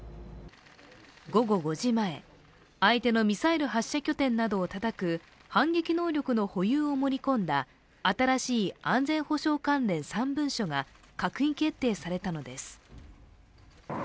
午後５時前、相手のミサイル発射拠点などをたたく反撃能力の保有を盛り込んだ新しい安全保障関連３文書が閣議決定されたのです。